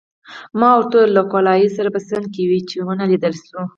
ما ورته وویل: له ګولایي سره په څنګ کې وې، چې ونه لیدل شوې.